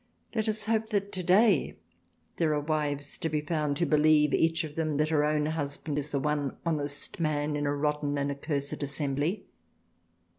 Let us hope that today there are wives to be found who believe, each of them, that her own husband is the one honest man in a rotten and accursed Assembly.